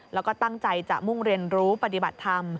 แล้วก็ตั้งใจจะมุ่งเรียนรู้ปฏิบัติธรรม